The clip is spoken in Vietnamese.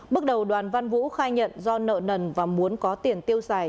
bước đầu đoàn văn vũ khai nhận do nợ nần và muốn có tiền tiêu xài